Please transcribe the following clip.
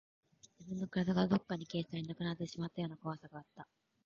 自分の体がどこかに消え去り、なくなってしまうような怖さがあった